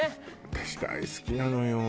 私大好きなのよ